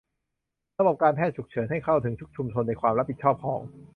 ระบบการแพทย์ฉุกเฉินให้เข้าถึงทุกชุมชนในความรับผิดชอบของ